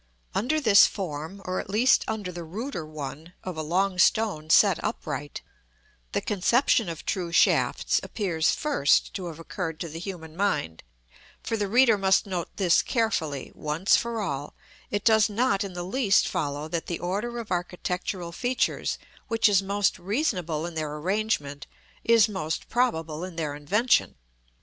Under this form, or at least under the ruder one of a long stone set upright, the conception of true shafts appears first to have occurred to the human mind; for the reader must note this carefully, once for all, it does not in the least follow that the order of architectural features which is most reasonable in their arrangement, is most probable in their invention.